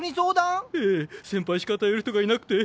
先輩しか頼る人がいなくて。